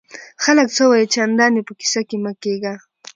خلک څه وایي؟ چندان ئې په کیسه کي مه کېږه!